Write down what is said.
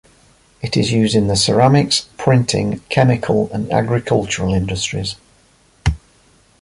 It is used in the ceramics, printing, chemical and agriculture industries.